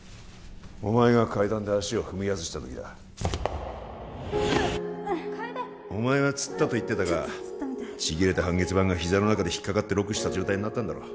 お前が階段で足を踏みはずした時だ楓っお前はつったと言ってたがちぎれた半月板がひざの中で引っかかってロックした状態になったんだろう